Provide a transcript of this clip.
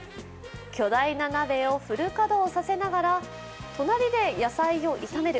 巨大な鍋をフル稼働させながら隣で野菜を炒める。